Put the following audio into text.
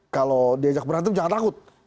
kalau diajak berantem jangan takut